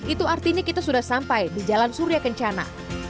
itu artinya kita sudah sampai di jalan surya kencana